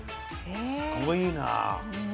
すごいな。